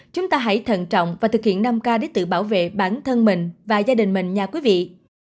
chúng ta hãy thận trọng và thực hiện năm k để tự bảo vệ bản thân mình và gia đình mình nhà quý vị